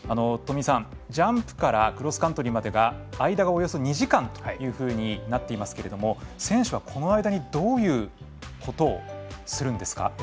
富井さん、ジャンプからクロスカントリーまでは間がおよそ２時間というふうになっていますけれども選手は、この間にどういうことをするんですか？